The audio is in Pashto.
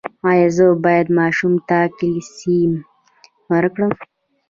ایا زه باید ماشوم ته کلسیم ورکړم؟